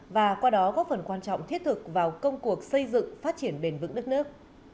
và qua đó góp phần quan trọng thiết thực vào công cuộc xây dựng phát triển bền vững đất nước